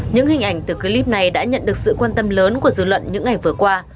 những hình ảnh từ clip này đã nhận được sự quan tâm lớn của dư luận những ngày vừa qua